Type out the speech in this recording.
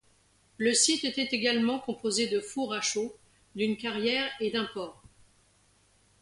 Le site était également composé de fours à chaux, d'une carrière et d'un port.